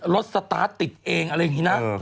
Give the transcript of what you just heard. สตาร์ทติดเองอะไรอย่างนี้นะ